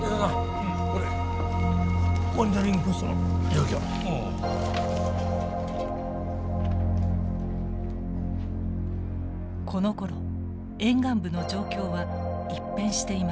このころ沿岸部の状況は一変していました。